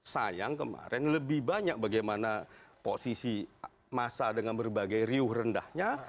sayang kemarin lebih banyak bagaimana posisi masa dengan berbagai riuh rendahnya